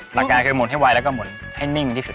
หลักการคือหมุนให้ไวแล้วก็หมุนให้นิ่งที่สุด